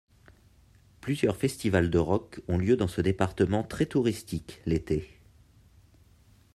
Plusieurs festivals de rock ont lieu dans ce département très touristique l'été.